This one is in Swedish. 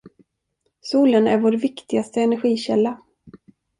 Solen är vår viktigaste energikälla.